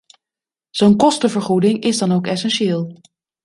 Zo'n kostenvergoeding is dan ook essentieel.